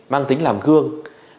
mang tính làm gương